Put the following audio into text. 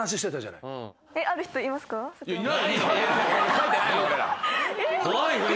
書いてない俺ら。